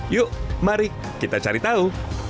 yuk mari kita cari tahu